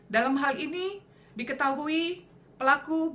dalam hal ini diketahui pelaku